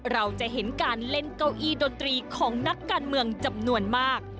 เราจะเห็นการเล่นเก้าอี้ดนตรีของนักการเมืองจำนวนมาก